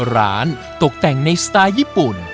ร้านตกแต่งในสไตล์ญี่ปุ่น